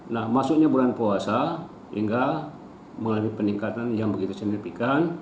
nah masuknya bulan puasa hingga mengalami peningkatan yang begitu signifikan